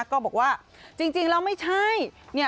ก็บอกว่าจริงแล้วไม่ใช่